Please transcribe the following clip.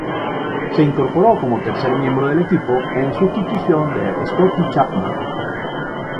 Se incorporó como tercer miembro del equipo, en sustitución de Scottie Chapman.